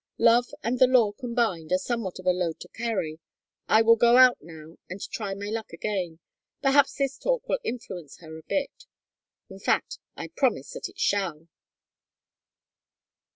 Love and the law combined are somewhat of a load to carry. I will go out now and try my luck again. Perhaps this talk will influence her a bit. In fact I promise that it shall."